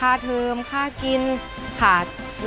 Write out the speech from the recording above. อายุ๒๔ปีวันนี้บุ๋มนะคะ